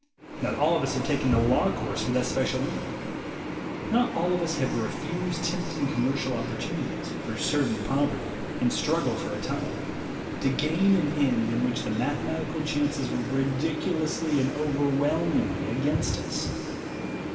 Not all of us have taken a law course with that special end. Not all of us have refused tempting com mercial opportunities for certain poverty and struggle for a time, to gain an end in which the 44 THE WAY TO WILL POWER mathematical chances were ridiculously and over whelmingly against us.